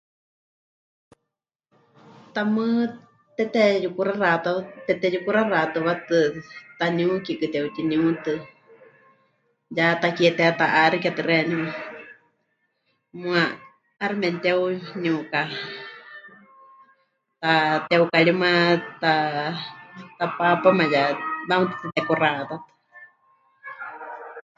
Tamɨ́ teteyukuxaxatɨwa... teteyukuxaxatɨwatɨ, taniukikɨ te'utiniutɨ, ya takie teheta'axiketɨ xeeníu, muuwa 'aixɨ memɨte'uniuka, tateukaríma, ta... tapaapáma ya wahamatɨa tetekuxatatɨ.